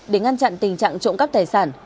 để ngăn chặn tình trạng trộm cắp tài sản